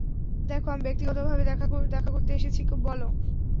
দেখো, আমি ব্যক্তিগতভাবে দেখা করতে এসেছি, বলো।